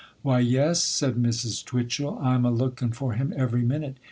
'Why, yes,' said Mrs. Twitchel. 'I'm a lookin' for him every minute.